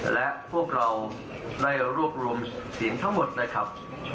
และพวกเราได้รวบรวมเสียงทั้งหมดนะครับ